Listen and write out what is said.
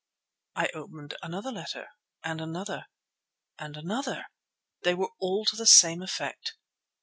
I opened another letter, and another, and another. They were all to the same effect.